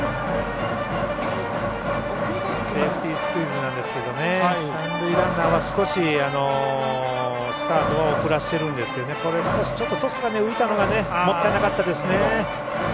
セーフティースクイズなんですけどね三塁ランナーは少しスタートは遅らせているんですけどこれ少しトスが浮いたのがもったいなかったですね。